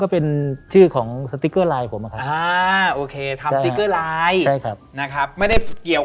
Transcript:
ก็เป็นชื่อของนะคะอาโอเคถ้าละยังนะครับไม่ได้เกี่ยว